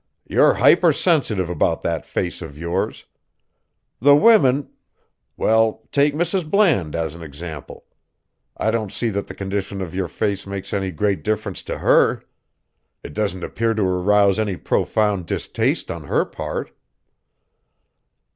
"You're hyper sensitive about that face of yours. The women well, take Mrs. Bland as an example. I don't see that the condition of your face makes any great difference to her. It doesn't appear to arouse any profound distaste on her part."